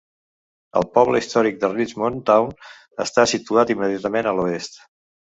El poble històric de Richmond Town està situat immediatament a l'oest.